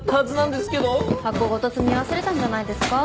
箱ごと積み忘れたんじゃないですか？